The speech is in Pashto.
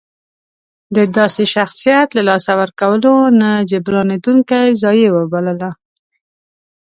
د داسې شخصیت له لاسه ورکول نه جبرانېدونکې ضایعه وبلله.